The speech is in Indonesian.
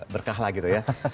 berkah lah gitu ya